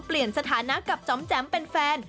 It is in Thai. เปลี่ยนสถานะกับจอมแจ๋มเป็นแฟน